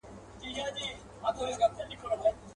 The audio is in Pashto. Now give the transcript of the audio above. اورنګ دي اوس چپاو کوي پر پېغلو ګودرونو.